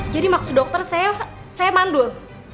jadi maksud dokter saya saya mandul